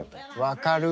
分かる。